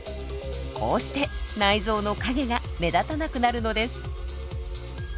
こうして内臓の影が目立たなくなるのです。